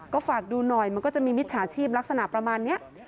ก็ฝากดูหน่อยมันก็จะมีมิจฉาชีพลักษณะประมาณนี้